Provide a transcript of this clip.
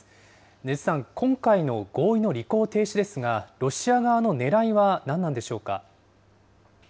禰津さん、今回の合意の履行停止ですが、ロシア側の狙いは何なんでしょうか。